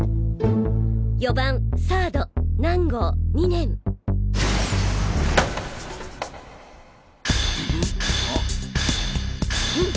４番サード南郷２年あん？